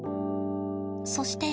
そして。